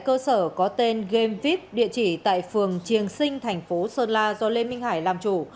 cơ sở có tên gamevip địa chỉ tại phường triềng sinh thành phố sơn la do lê minh hải làm chủ